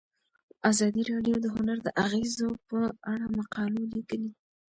ازادي راډیو د هنر د اغیزو په اړه مقالو لیکلي.